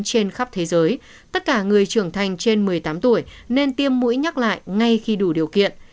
trên khắp thế giới tất cả người trưởng thành trên một mươi tám tuổi nên tiêm mũi nhắc lại ngay khi đủ điều kiện